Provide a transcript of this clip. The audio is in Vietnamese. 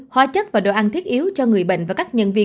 hóa chất và đồ ăn thiết yếu cho người bệnh và các nhân viên